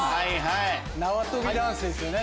縄跳びダンスですよね。